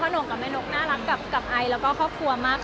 ค่าหนงกับแม่นกน่ารักกับไอร์และครอบครัวมาก